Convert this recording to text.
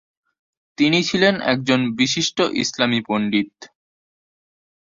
তিনি ছিলেন একজন বিশিষ্ট ইসলামী পণ্ডিত।